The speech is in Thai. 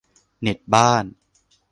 เน็ตบ้าน